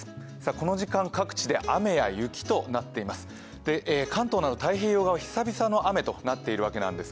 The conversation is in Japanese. この時間、各地で雨や雪となっています。